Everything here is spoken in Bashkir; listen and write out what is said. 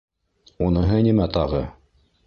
- Уныһы нимә тағы?